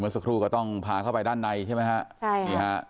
สักครู่ก็ต้องพาเข้าไปด้านในใช่ไหมฮะใช่นี่ฮะ